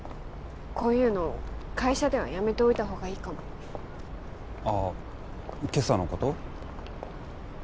こういうの会社ではやめておいた方がいいかもあっ今朝のこと？